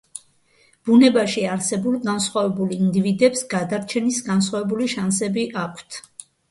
ბუნებაში არსებულ განსხვავებულ ინდივიდებს, გადარჩენის განსხვავებული შანსები აქვთ.